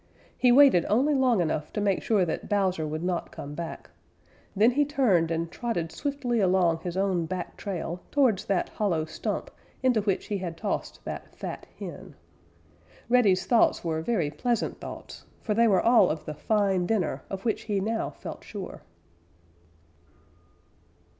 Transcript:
He waited only long enough to make sure that Bowser would not come back; then he turned and trotted swiftly along his own back trail towards that hollow stump into which he had tossed that fat hen. Reddy's thoughts were very pleasant thoughts, for they were all of the fine dinner of which he now felt sure.